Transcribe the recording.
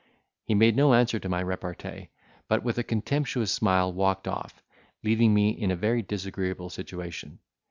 He made no answer to my repartee, but with a contemptuous smile walked off, leaving me in a very disagreeable situation.